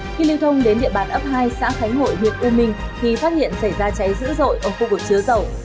khi lưu thông đến địa bàn ấp hai xã khánh hội huyện u minh thì phát hiện xảy ra cháy dữ dội ở khu vực chứa dầu